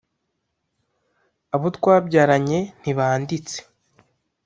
Abo twabyaranye ntibanditse